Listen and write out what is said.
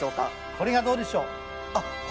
これはどうでしょう。